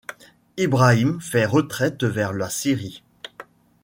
Ibrahim fait retraite vers la Syrie.